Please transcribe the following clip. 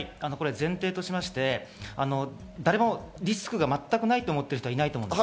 前提としまして、誰もリスクが全くないと思ってる人はいないと思います。